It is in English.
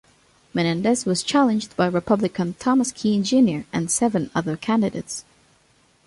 Menendez was challenged by Republican Thomas Kean, Junior and seven other candidates.